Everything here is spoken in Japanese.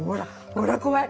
ほら怖い！